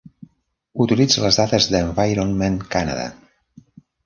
Utilitza les dades d'Environment Canada.